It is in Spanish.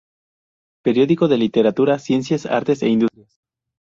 Periódico de Literatura, Ciencias, Artes e Industrias.